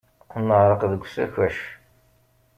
Neɛreq deg usakac.